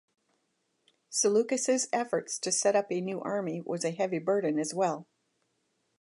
Seleucus' efforts to set up a new army was a heavy burden as well.